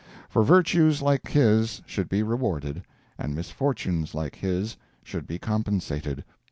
For virtues like his should be rewarded, and misfortunes like his should be compensated.